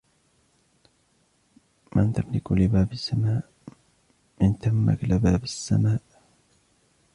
من تمك لباب السماء!